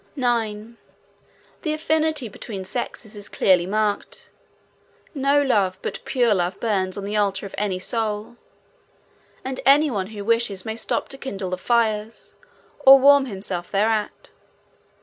9. The affinity between sexes is clearly marked. No love but pure love burns on the altar of any soul, and any one who wishes may stop to kindle the fires or warm himself thereat.